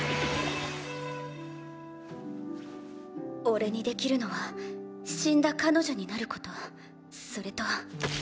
おれにできるのは死んだ彼女になることそれと。